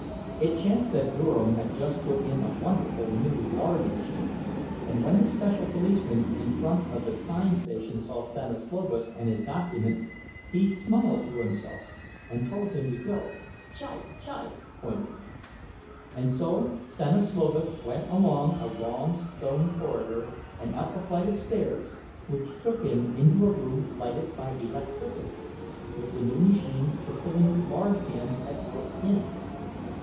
It chanced that Durham had just put in a wonderful new lard machine, and when the special policeman in front of the time station saw Stanislovas and his document, he smiled to himself and told him to go—"Czia! Czia!" pointing. And so Stanislovas went down a long stone corridor, and up a flight of stairs, which took him into a room lighted by electricity, with the new machines for filling lard cans at work in it.